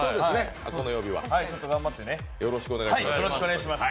よろしくお願いします。